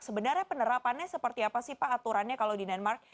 sebenarnya penerapannya seperti apa sih pak aturannya kalau di denmark